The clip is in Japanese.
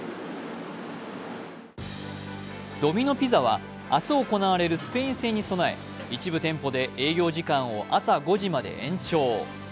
ドミノ・ピザは明日行われるスペイン戦に備え一部店舗で営業時間を朝５時まで延長。